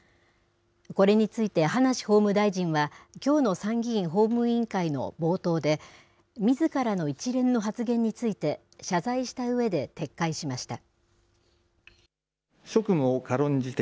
これについて葉梨法務大臣は、きょうの参議院法務委員会の冒頭で、みずからの一連の発言について、謝罪したうえで撤回しました。